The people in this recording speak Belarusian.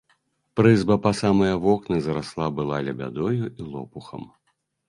Прызба па самыя вокны зарасла была лебядою і лопухам.